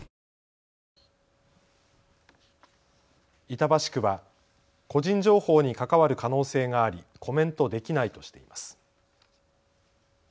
板橋区は個人情報に関わる可能性がありコメントできないとしています。